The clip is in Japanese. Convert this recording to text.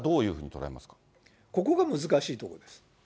ここが難しいとこです。